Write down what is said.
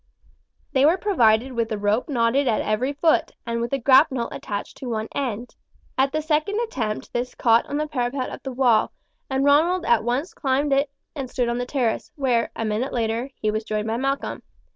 They were provided with a rope knotted at every foot, and with a grapnel attached to one end. At the second attempt this caught on the parapet of the wall, and Ronald at once climbed it and stood on the terrace, where, a minute later, he was joined by Malcolm.